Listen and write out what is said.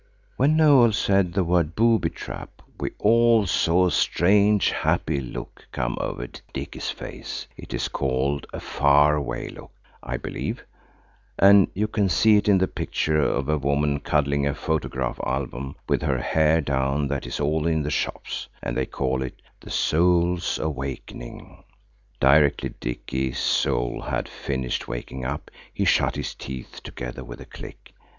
When Noël said the word "booby trap," we all saw a strange, happy look come over Dicky's face. It is called a far away look, I believe, and you can see it in the picture of a woman cuddling a photograph album with her hair down, that is in all the shops, and they call it "The Soul's Awakening." Directly Dicky's soul had finished waking up he shut his teeth together with a click.